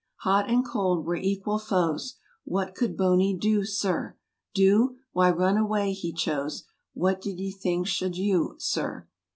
Hot and cold were equal foes, What could Boney do Sir? Do ? why run away he chose; What d'ye think should you, Sir